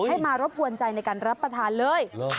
มารบกวนใจในการรับประทานเลย